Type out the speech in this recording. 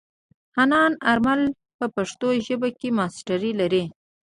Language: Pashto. حنان آرمل په پښتو ژبه کې ماسټري لري.